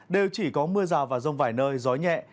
đều chỉ có mưa rào và rông vài nơi gió nhẹ